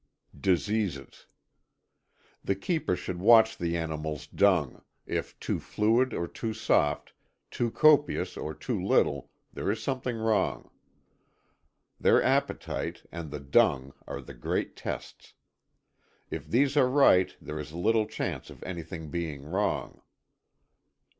12.ŌĆöDiseases. The keeper should watch the animalŌĆÖs dung, if too fluid or too soft, too copious or too little, there is something wrong. Their appetite, and the dung are the great tests. If these are right there is little chance of anything being wrong.